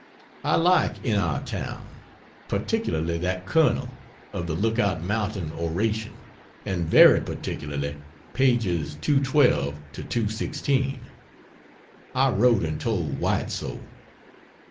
I like "In Our Town," particularly that Colonel, of the Lookout Mountain Oration, and very particularly pages 212 16. I wrote and told White so.